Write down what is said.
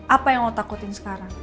apa yang mau takutin sekarang